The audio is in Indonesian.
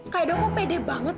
kak edo kok pede banget ya